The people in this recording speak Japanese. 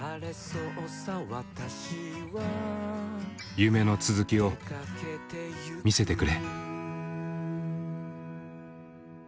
夢の続きを見せてくれ。